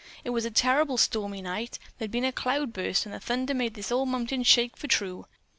It was a terrible stormy night. There'd been a cloudburst, and the thunder made this old mountain shake for true.